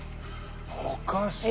おかしい。